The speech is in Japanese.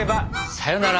「さよなら」